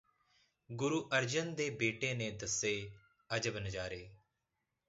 ਗੁਰੂ ਅਰਜਨ ਦੇ ਬੇਟੇ ਨੇ ਦਸੇ ਅਜ਼ਬ ਨਜ਼ਾਰੇ